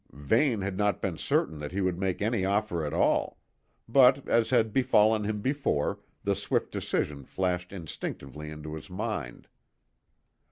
Vane had not been certain that he would make any offer at all; but, as had befallen him before, the swift decision flashed instinctively into his mind.